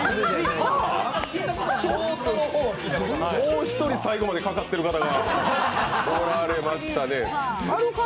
もう１人、最後までかかっている方がおられましたね。